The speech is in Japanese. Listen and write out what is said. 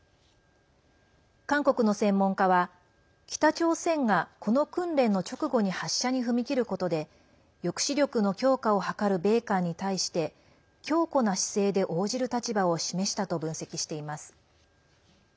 韓国の専門家は北朝鮮が、この訓練の直後に発射に踏み切ることで抑止力の強化を図る米韓に対して強固な姿勢で応じる立場を示したと分析しています。